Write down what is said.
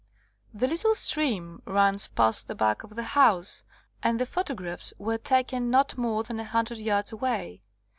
The little stream runs past the back of the house, and the photographs were taken not more than a hundred yards away.